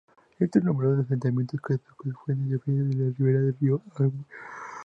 Cierto número de asentamientos cosacos fue establecido en la ribera del río Amur.